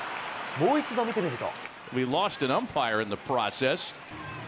もう一度見てみると。